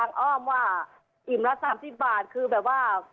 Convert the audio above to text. อย่างทางอ้อมว่าอิ่มละสามสี่บาทคือแบบว่า